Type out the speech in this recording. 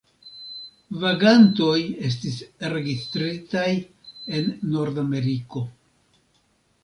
Vagantoj estis registritaj en Nordameriko.